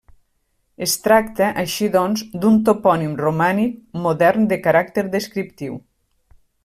Es tracta, així doncs, d'un topònim romànic modern de caràcter descriptiu.